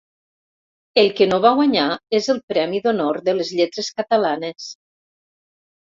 El que no va guanyar és el Premi d'Honor de les Lletres Catalanes!